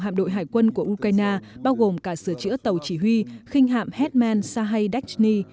hạm đội hải quân của ukraine bao gồm cả sửa chữa tàu chỉ huy khinh hạm hetman sahai dakhtny